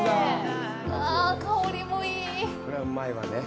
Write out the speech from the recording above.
ああ、香りもいい！